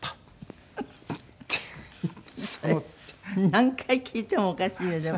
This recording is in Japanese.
何回聞いてもおかしいねでも。